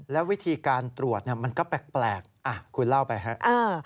แล้ววิธีการตรวจมันก็แปลกคุณเล่าไปครับ